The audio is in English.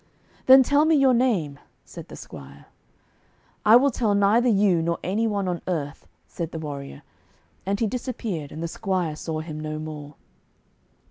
'Then tell me your name,' said the squire. 'I will tell neither you nor any one on earth,' said the warrior. And he disappeared, and the squire saw him no more.